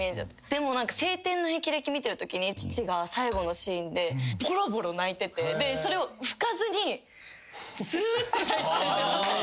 でも『青天の霹靂』見てたときに父が最後のシーンでぼろぼろ泣いててそれを拭かずにすーって。